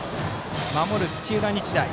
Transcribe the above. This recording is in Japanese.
守る土浦日大。